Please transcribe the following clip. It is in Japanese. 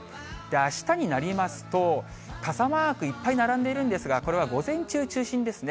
あしたになりますと、傘マークいっぱい並んでいるんですが、これは午前中中心ですね。